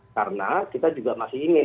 karena kita juga masih ingin